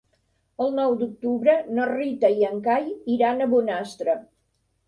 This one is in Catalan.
El nou d'octubre na Rita i en Cai iran a Bonastre.